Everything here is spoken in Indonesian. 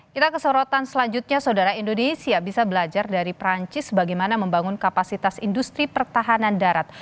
kita ke sorotan selanjutnya saudara indonesia bisa belajar dari perancis bagaimana membangun kapasitas industri pertahanan darat